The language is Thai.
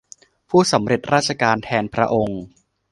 ผู้สำเร็จราชการแทนพระองค์